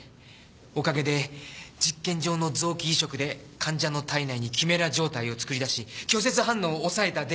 おかげで実験上の臓器移植で患者の体内にキメラ状態を作り出し拒絶反応を抑えたデータを。